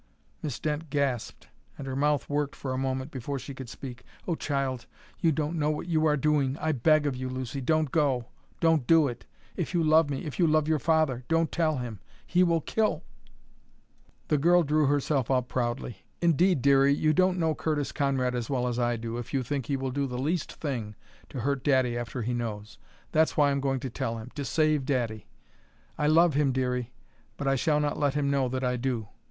Miss Dent gasped and her mouth worked for a moment before she could speak. "Oh, child, you don't know what you are doing! I beg of you, Lucy, don't go don't do it! If you love me, if you love your father, don't tell him! He will kill " The girl drew herself up proudly. "Indeed, Dearie, you don't know Curtis Conrad as well as I do, if you think he will do the least thing to hurt daddy, after he knows. That's why I'm going to tell him to save daddy. I love him, Dearie, but I shall not let him know that I do.